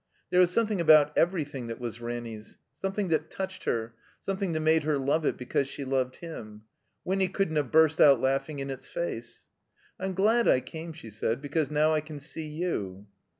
There was something about everything that was Ranny's, something that touched her, something that made her love it, becatise she loved him. Wiimy couldn't have burst out laughing in its face. "I'm glad I came," she said. "Because now I can see you."